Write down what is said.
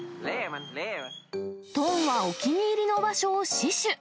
トンはお気に入りの場所を死守。